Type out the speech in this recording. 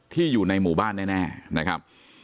อยู่ในหมู่บ้านแน่นะครับ